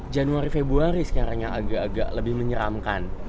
januari februari sekarang yang agak agak lebih menyeramkan